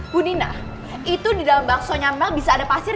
bu nina itu di dalam baksonya mel bisa ada pasir